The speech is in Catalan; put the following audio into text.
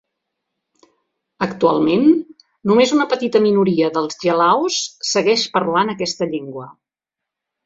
Actualment, només una petita minoria dels gelaos segueix parlant aquesta llengua.